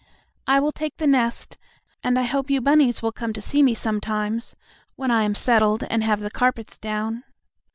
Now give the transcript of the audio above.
I will take the nest, and I hope you bunnies will come to see me sometimes, when I am settled, and have the carpets down."